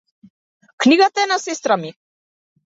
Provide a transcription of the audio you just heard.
Книгата е на сестра ми.